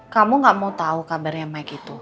kamu gak mau tahu kabarnya mike itu